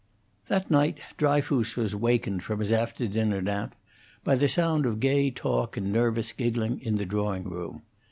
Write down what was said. That night Dryfoos was wakened from his after dinner nap by the sound of gay talk and nervous giggling in the drawing room.